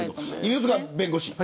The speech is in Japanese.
犬塚弁護士